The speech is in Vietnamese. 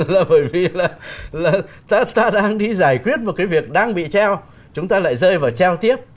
là bởi vì là ta đang đi giải quyết một cái việc đang bị treo chúng ta lại rơi vào treo tiếp